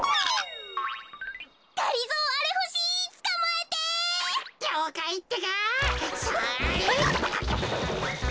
えっ？